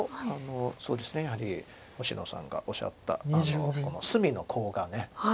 そうですねやはり星合さんがおっしゃった隅のコウがね。